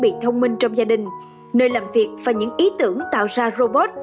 thiết bị thông minh trong gia đình nơi làm việc và những ý tưởng tạo ra robot